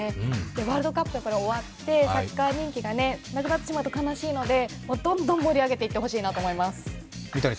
ワールドカップ、やっぱり終わってサッカー人気がなくなってしまうと悲しいので、どんどん盛り上げていってほしいなと思います。